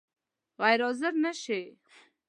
غیر حاضر نه شې؟